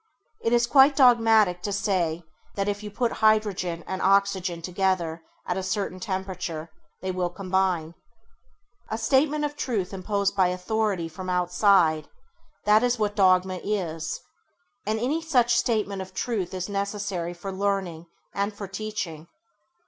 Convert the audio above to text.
It is quite dogmatic to say that if you put hydrogen and oxygen together at a certain temperature they will combine. A statement of truth imposed by authority from outside, that is what dogma is, and any such statement of truth is necessary for learning and for teaching.